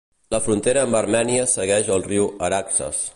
La frontera amb Armènia segueix el Riu Araxes.